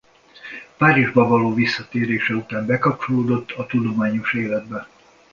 Párizsba való visszatérése után bekapcsolódott a tudományos életbe.